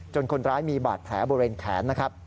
จนคนร้ายมีบาดแผลบนเวนแขน